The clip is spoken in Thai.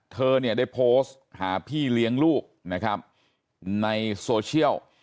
เธอได้โพสต์หาพี่เลี้ยงลูกในโซเชียล